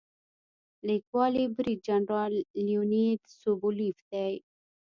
لیکوال یې برید جنرال لیونید سوبولیف دی.